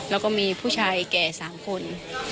แล้วก็มีผู้ชายแก่๓คน